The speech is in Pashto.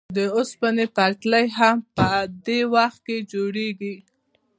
د اوسپنې پټلۍ هم په دې وخت کې جوړېږي